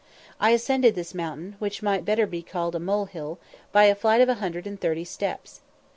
I ascended this mountain, which might better be called a molehill, by a flight of a hundred and thirty steps.